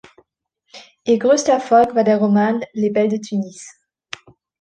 Ihr größter Erfolg war der Roman "Les Belles de Tunis.